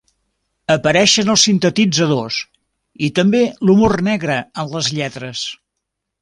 Apareixen els sintetitzadors i també l'humor negre en les lletres.